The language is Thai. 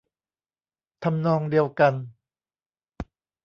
ทำนองเดียวกัน